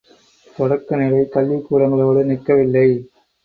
தொடக்க நிலை கல்விக்கூடங்களோடு நிற்கவில்லை.